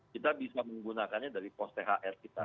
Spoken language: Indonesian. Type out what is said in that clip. kita bisa menggunakannya dari pos thr kita